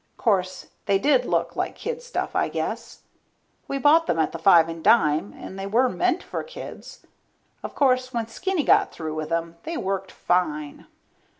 Course, they did look like kid stuff, I guess. We bought them at the five and dime, and they were meant for kids. Of course when Skinny got through with them, they worked fine.